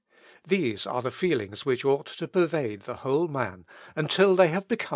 These are the feelings which ought to pervade the whole man, until they have become a second nature."